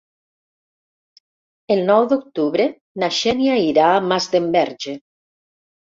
El nou d'octubre na Xènia irà a Masdenverge.